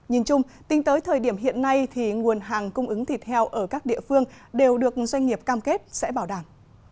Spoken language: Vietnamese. hiện nay nguồn hàng cung ứng thịt heo ở các địa phương đều được doanh nghiệp cam kết sẽ bảo đảm